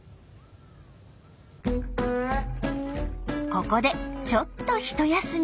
ここでちょっとひと休み。